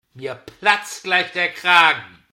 Mir platzt gleich der Kragen.